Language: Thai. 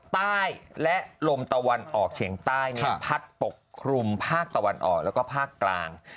ใต้และลมตะวันออกเฉียงใต้พัดปกคลุมภาคตะวันออกแล้วก็ภาคกลาง